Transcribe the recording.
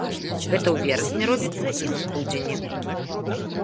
Гэта ў верасні робіцца і ў студзені.